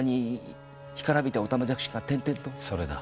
それだ。